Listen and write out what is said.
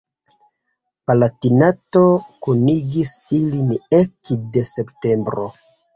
Palatinato kunigis ilin ekde septembro.